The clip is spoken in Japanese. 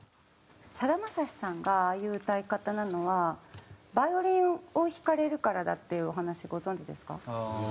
さだまさしさんがああいう歌い方なのはバイオリンを弾かれるからだっていうお話ご存じですか？